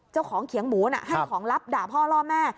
เจ้าของเขียงหมูน่ะให้ของรับด่าพ่อล่อแม่